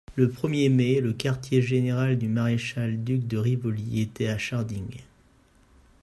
Le premier mai, le quartier-général du maréchal duc de Rivoli était à Sharding.